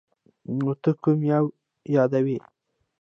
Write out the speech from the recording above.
نو ته کوم یو یادوې ؟